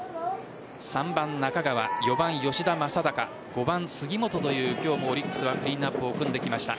３番・中川、４番・吉田正尚５番・杉本という、今日もオリックスはクリーンアップを組んできました。